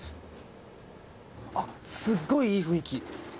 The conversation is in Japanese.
あっすっごいいい雰囲気。